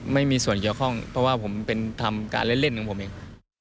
ไม่มีส่วนเกี่ยวข้องเพราะว่าผมเป็นทำการเล่นของผมเอง